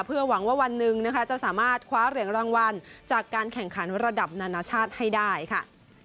เพื่อหวังว่าวันหนึ่งนะคะจะสามารถคว้าเหรียญรางวัลจากการแข่งขันระดับนานาชาติให้ได้ค่ะ